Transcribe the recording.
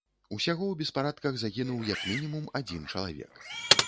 Усяго ў беспарадках загінуў як мінімум адзін чалавек.